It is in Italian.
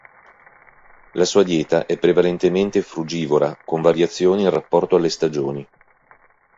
La sua dieta è prevalentemente frugivora, con variazioni in rapporto alle stagioni.